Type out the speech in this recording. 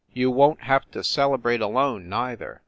You won t have to celebrate alone neither.